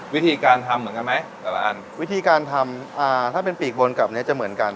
วิธีการทำเหมือนกันไหมแต่ละอันวิธีการทำอ่าถ้าเป็นปีกบนกับเนี้ยจะเหมือนกัน